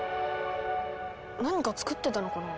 何か作ってたのかな？